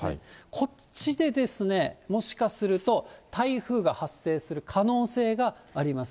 こっちでもしかすると、台風が発生する可能性があります。